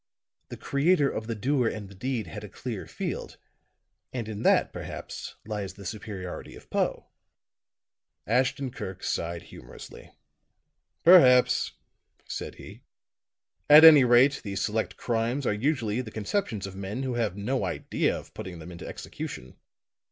The creator of the doer and the deed had a clear field; and in that, perhaps, lies the superiority of Poe." Ashton Kirk sighed humorously. "Perhaps," said he. "At any rate the select crimes are usually the conceptions of men who have no idea of putting them into execution.